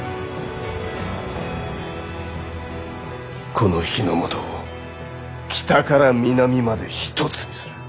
この日ノ本を北から南まで一つにする。